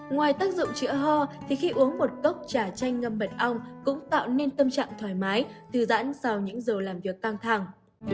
ngoài tác dụng chữa ho thì khi uống một cốc trà chanh ngâm mật ong cũng tạo nên tâm trạng thoải mái thư giãn sau những giờ làm việc căng thẳng